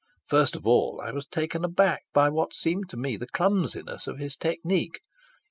First of all I was taken aback by what seemed to me the clumsiness of his technique.